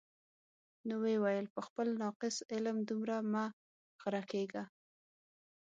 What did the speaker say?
نو ویې ویل: په خپل ناقص علم دومره مه غره کېږه.